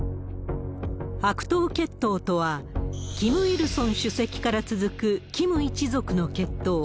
白頭血統とは、キム・イルソン主席から続くキム一族の血統。